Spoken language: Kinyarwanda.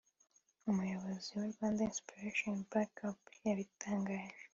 umuyobozi wa Rwanda Inspiration Back Up yabitangaje